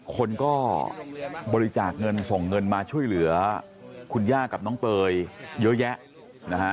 คนก็บริจาคเงินส่งเงินมาช่วยเหลือคุณย่ากับน้องเตยเยอะแยะนะฮะ